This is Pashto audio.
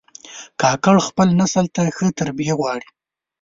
کاکړ خپل نسل ته ښه تربیه غواړي.